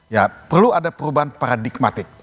ya perlu ada perubahan paradigmatik